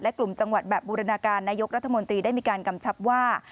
กลุ่มจังหวัดแบบบูรณาการนายกรัฐมนตรีได้มีการกำชับว่า